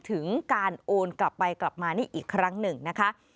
ถึงการโอนกลับไปกลับมานี่อีกครั้งหนึ่งนะคะ